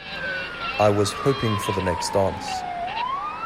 I was hoping for the next dance.